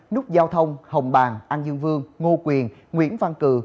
nút giao thông hồng bàng an dương vương ngô quyền nguyễn văn cử